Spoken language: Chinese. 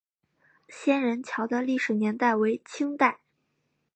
仙人桥的历史年代为清代。